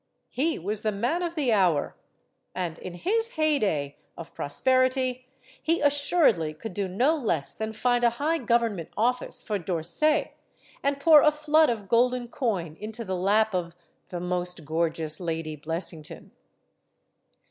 He was the Man of the Hour. And in his heyday of pros perity he assuredly could do no less than find a high government office for D'Orsay and pour a flood of golden coin into the lap of "the most gorgeous Lady Blessington."